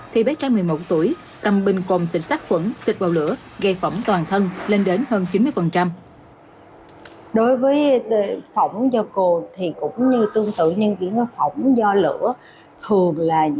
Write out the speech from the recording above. thì bé tráng một mươi một tuổi cầm bình cồn xịt sắc khuẩn xịt vào lửa gây phỏng toàn thân lên đến hơn chín mươi